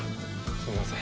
すみません。